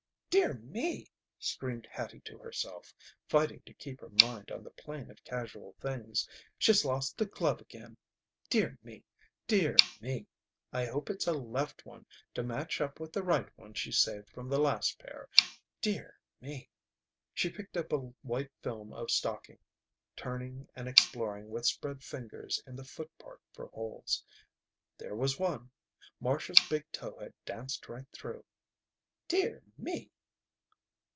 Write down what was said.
Dear me!" screamed Hattie to herself, fighting to keep her mind on the plane of casual things. "She's lost a glove again. Dear me! Dear me! I hope it's a left one to match up with the right one she saved from the last pair. Dear me!" She picked up a white film of stocking, turning and exploring with spread fingers in the foot part for holes. There was one! Marcia's big toe had danced right through. "Dear me!"